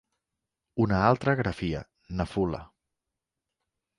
Una altra grafia: Naphula.